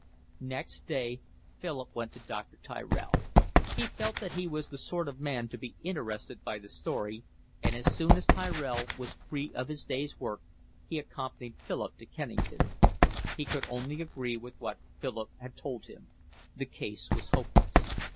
Next day Philip went to Dr. Tyrell. He felt that he was the sort of man to be interested by the story, and as soon as Tyrell was free of his day's work he accompanied Philip to Kennington. He could only agree with what Philip had told him. The case was hopeless.